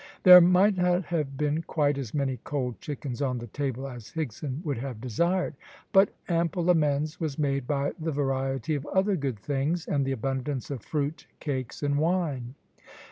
There might not have been quite as many cold chickens on the table as Higson would have desired, but ample amends was made by the variety of other good things and the abundance of fruit, cakes, and wine.